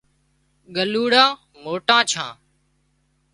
ڳلُوڙان موٽان ڇان